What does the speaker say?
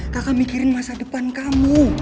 kakak mikirin masa depan kamu